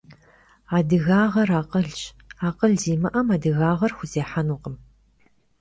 Adıgağer akhılş, akhıl zimı'em adıgağer xuzêhenukhım.